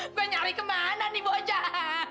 gue nyari kemana nih bocah